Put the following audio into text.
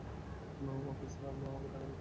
ওকে sir আপনি আমাকে টাকা দিচ্ছেন স্যার?